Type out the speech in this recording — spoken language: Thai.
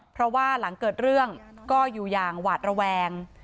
เพราะว่าหลังเกิดเรื่องก็อยู่อย่างหวาดระแวง